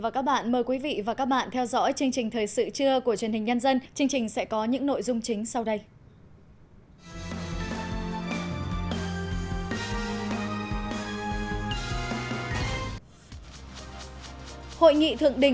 các bạn hãy đăng ký kênh để ủng hộ kênh của chúng mình nhé